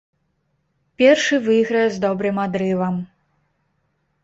Першы выйграе з добрым адрывам.